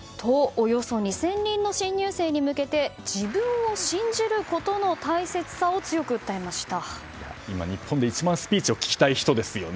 およそ２０００人の新入生に向けて自分を信じることの大切さを今、日本で一番スピーチを聞きたい人ですよね。